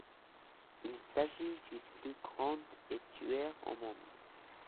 Il s'agit du plus grand estuaire au monde.